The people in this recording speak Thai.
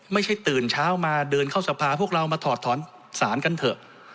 ตื่นเช้ามาเดินเข้าสภาพวกเรามาถอดถอนสารกันเถอะ